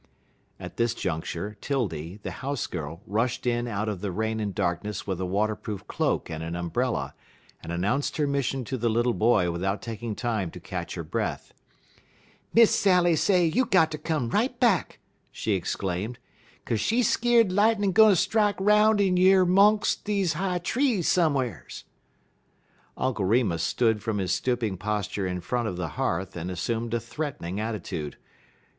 At this juncture 'Tildy, the house girl, rushed in out of the rain and darkness with a water proof cloak and an umbrella, and announced her mission to the little boy without taking time to catch her breath. "Miss Sally say you got ter come right back," she exclaimed. "Kaze she skeerd lightin' gwine strak 'roun' in yer 'mongs' deze high trees some'rs." Uncle Remus rose from his stooping posture in front of the hearth and assumed a threatening attitude.